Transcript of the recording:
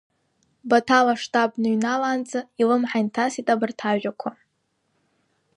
Баҭал аштаб дныҩналаанӡа илымҳа инҭасит абарҭ ажәақәа…